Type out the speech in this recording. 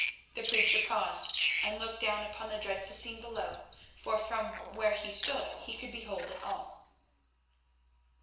The preacher paused and looked down upon the dreadful scene below, for from where he stood he could behold it all.